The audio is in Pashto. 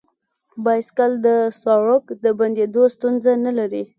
بایسکل د سړک د بندیدو ستونزه نه لري.